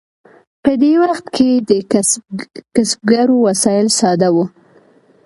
په دې وخت کې د کسبګرو وسایل ساده وو.